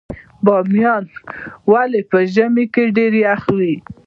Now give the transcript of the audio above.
بامیان ولې په ژمي کې ډیر یخ وي؟